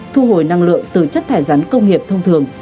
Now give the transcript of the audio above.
thu hồi năng lượng từ chất thải rắn công nghiệp thông thường